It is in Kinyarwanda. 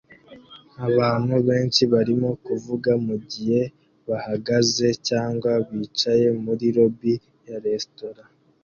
Abantu benshi barimo kuvuga mugihe bahagaze cyangwa bicaye muri lobbi ya resitora